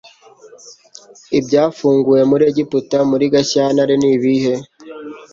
Ibyafunguwe muri Egiputa Muri Gashyantare nibihe